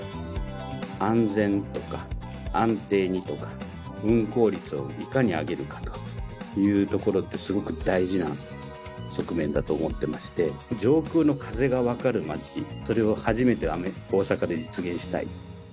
安全とか、安定にとか、運航率をいかに上げるかというところってすごく大事な側面だと思ってまして、上空の風が分かるまち、それを初めて大阪で実現したい。